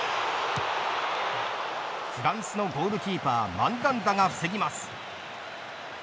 フランスのゴールキーパーマンダンダが防ぎます。